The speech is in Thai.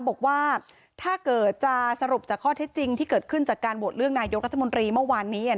บอกว่าถ้าเกิดจะสรุปจากข้อเท็จจริงที่เกิดขึ้นจากการโหวตเลือกนายกรัฐมนตรีเมื่อวานนี้